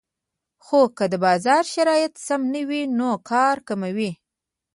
خو که د بازار شرایط سم نه وو نو کار کموي